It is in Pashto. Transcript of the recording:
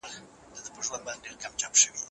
هغه له هېچا سره په جګړه کې نرمي نه کوله.